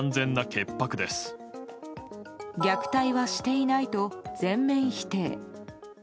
虐待はしていないと全面否定。